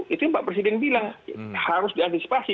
itu yang pak presiden bilang harus diantisipasi